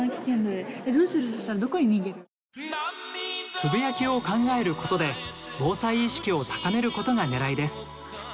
つぶやきを考えることで防災意識を高めることがねらいです。